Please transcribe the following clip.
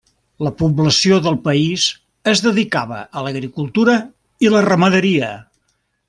La població del país es dedicava a l'agricultura i la ramaderia.